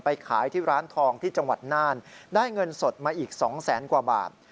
ขายที่ร้านทองที่จังหวัดน่านได้เงินสดมาอีกสองแสนกว่าบาท